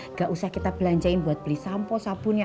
nggak usah kita belanjain buat beli sampo sabunnya